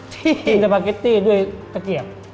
ที่กินสปาเกตตี้ด้วยตะเกียบ